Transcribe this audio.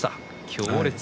強烈。